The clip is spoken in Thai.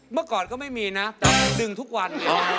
เมื่อก่อนก็ไม่มีนะแต่ดึงทุกวัน